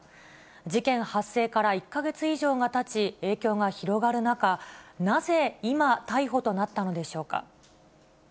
事件発生から１か月以上がたち、影響が広がる中、なぜ今、逮捕となったのでしょうか。